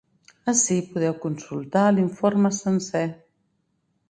Ací podeu consultar l’informe sencer.